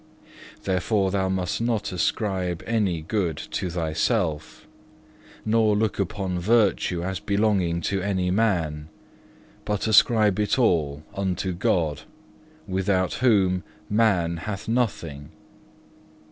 Therefore thou must not ascribe any good to thyself, nor look upon virtue as belonging to any man, but ascribe it all unto God, without whom man hath nothing.